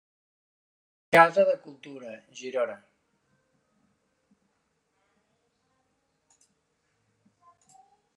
Casa de Cultura, Girona.